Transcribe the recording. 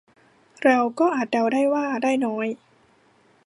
เราก็อาจเดาได้ว่าได้น้อย